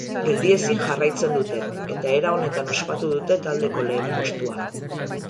Geldiezin jarraitzen dute eta era honetan ospatu dute taldeko lehen postua.